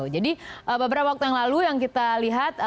jadi beberapa waktu yang lalu yang kita lihat